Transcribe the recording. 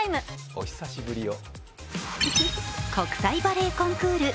お久しぶりよ。